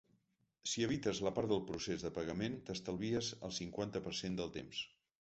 Si evites la part del procés de pagament, t’estalvies el cinquanta per cent del temps.